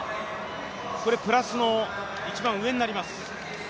これプラスの一番上になります。